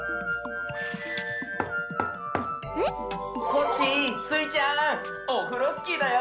コッシースイちゃんオフロスキーだよ。